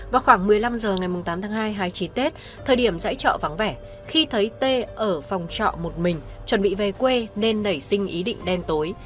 vào khoảng một mươi năm h ngày tám tháng hai hai chí tết thời điểm giãi trọ vắng vẻ khi thấy t ở phòng trọ một mình chuẩn bị về quê nên nảy sinh ý định đen tối